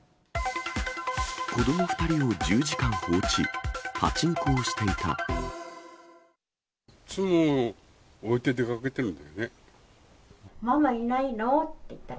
子ども２人を１０時間放置、パチンコをしていた。